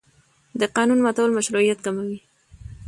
د قانون ماتول مشروعیت کموي